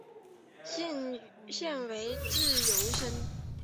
现为自由身。